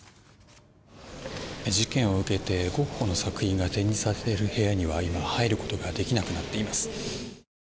事件を受けてゴッホの作品が展示されている部屋には今、入ることができなくなっています。